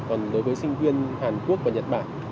còn đối với sinh viên hàn quốc và nhật bản